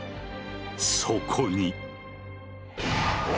そこに。